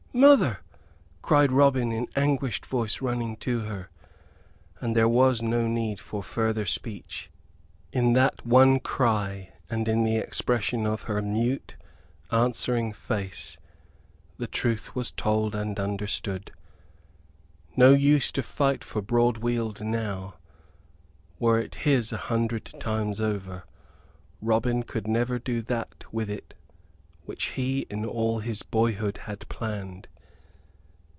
"Mother!" cried Robin, in anguished voice, running to her; and there was no need for further speech. In that one cry and in the expression of her mute, answering face, the truth was told and understood. No use to fight for Broadweald now; were it his a hundred times over, Robin could never do that with it which he in all his boyhood had planned.